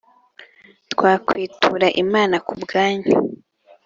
twakwitura Imana ku bwanyu